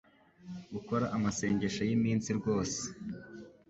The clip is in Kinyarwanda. gukora amasengesho y'iminsi rwose